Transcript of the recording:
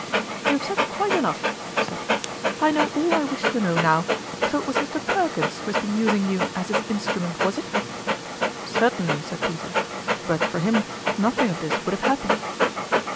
" You have said quite enough," she said. ftljirfc Cljerjtie. 75 " I know all I wish, to know now. So it was Mr. Perkins who has been using you as his in strument, was it ?"" Certainly," said Peter ;" but for him, nothing of this would have happened."